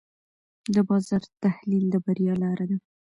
د بازار تحلیل د بریا لاره ده.